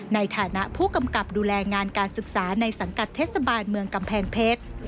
ในฐานะผู้กำกับดูแลงานการศึกษาในสังกัดเทศบาลเมืองกำแพงเพชร